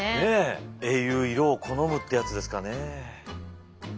英雄色を好むってやつですかね。